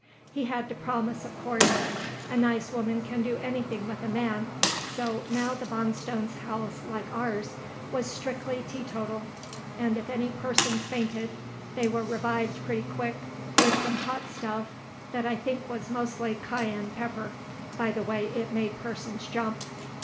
He had to promise, of course. A nice woman can do anything with a man, so now the Bonstones' house, like ours, was strictly teetotal, and if any persons fainted, they were revived pretty quick with some hot stuff that I think was mostly cayenne pepper, by the way it made persons jump.